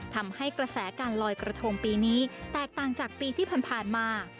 ทำให้กระแสการลอยกระทงปีนี้แตกต่างจากปีที่ผ่านมา